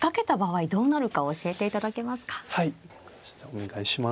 お願いします。